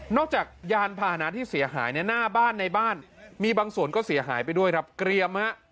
จากยานพาหนะที่เสียหายเนี่ยหน้าบ้านในบ้านมีบางส่วนก็เสียหายไปด้วยครับเกรียมฮะ